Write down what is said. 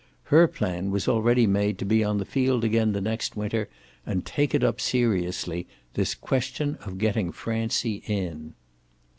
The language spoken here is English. Her plan was already made to be on the field again the next winter and take it up seriously, this question of getting Francie in.